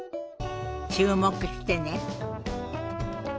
注目してね。